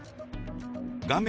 画面